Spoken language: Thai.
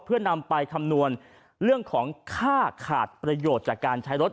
เพื่อนำไปคำนวณเรื่องของค่าขาดประโยชน์จากการใช้รถ